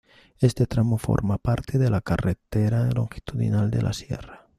Este tramo forma parte de la Carretera Longitudinal de la Sierra.